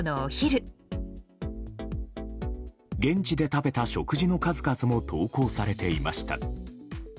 現地で食べた食事の数々も投稿されていました。